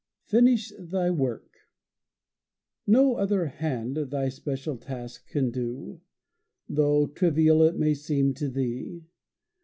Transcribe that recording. Finish Thy Work No other hand thy special task can do, Though trivial it may seem to thee.